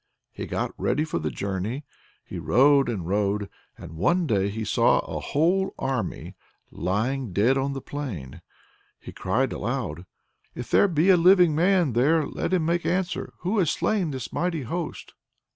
He got ready for the journey, he rode and rode, and one day he saw a whole army lying dead on the plain. He cried aloud, "If there be a living man there, let him make answer! who has slain this mighty host?"